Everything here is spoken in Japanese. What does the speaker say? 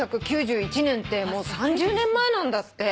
１９９１年ってもう３０年前なんだって。